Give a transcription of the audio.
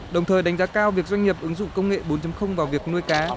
đồng thời đánh giá cao việc doanh nghiệp ứng dụng công nghệ bốn vào việc nuôi cá